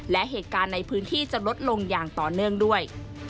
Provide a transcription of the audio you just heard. และเหตุการณ์ในพื้นที่จะลดลงอย่างต่อเนื่องด้วย